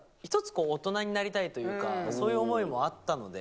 こう、大人になりたいというか、そういう思いもあったので。